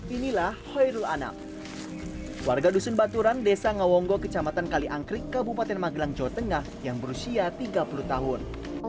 inilah hoirul anam warga dusun baturan desa ngawonggo kecamatan kaliankrik kabupaten magelang jawa tengah yang berusia tiga puluh tahun